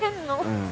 うん。